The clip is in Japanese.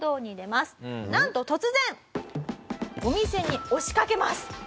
なんと突然お店に押しかけます。